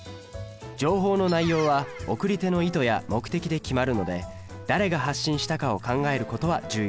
情報の内容は送り手の意図や目的で決まるので誰が発信したかを考えることは重要です。